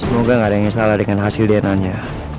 semoga gak ada yang salah dengan hasil dna nya